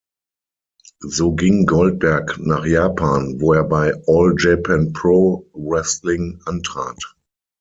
So ging Goldberg nach Japan, wo er bei All Japan Pro Wrestling antrat.